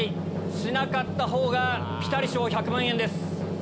しなかったほうがピタリ賞１００万円です。